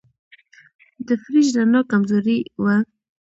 د فریج رڼا کمزورې وه.